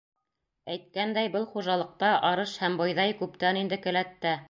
Әйткәндәй, был хужалыҡта арыш һәм бойҙай күптән инде келәттә.